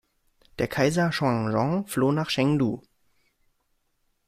Der Kaiser Xuanzong floh nach Chengdu.